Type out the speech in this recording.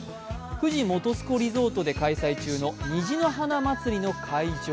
富士本栖湖リゾートで開催中の虹の花まつりの会場。